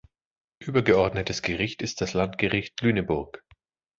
Übergeordnetes Gericht ist das Landgericht Lüneburg.